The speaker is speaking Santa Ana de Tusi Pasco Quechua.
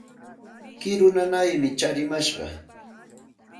Kiru nanaymi tsarimashqan.